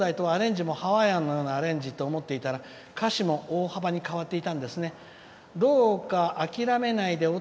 「「ペンギン皆きょうだい」ってハワイアンのようなアレンジと思っていたら、歌詞も大幅に変わっていたんですよね。